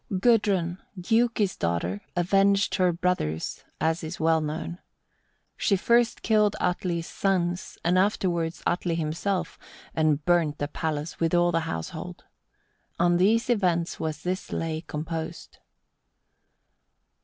Gudrun, Giuki's daughter, avenged her brothers, as is well known. She first killed Atli's sons, and afterwards Atli himself, and burnt the palace with all the household. On these events was this lay composed.